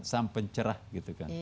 sampai cerah gitu kan